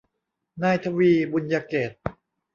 นายทวี บุณยเกตุ